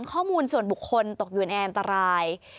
๓ข้อมูลส่วนบุคคลตกยืนแอร์ตราย